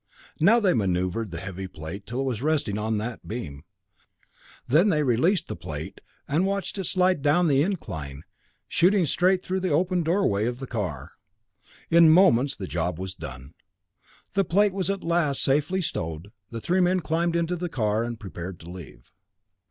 Now they maneuvered the heavy plate till it was resting on that beam; then they released the plate, and watched it slide down the incline, shooting through the open doorway of the car. In moments the job was done. The plate at last safely stowed, the three men climbed into the car, and prepared to leave.